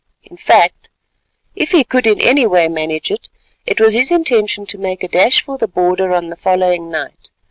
In fact, if he could in any way manage it, it was his intention to make a dash for the border on the following night.